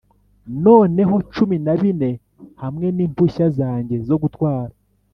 noneho cumi na bine hamwe nimpushya zanjye zo gutwara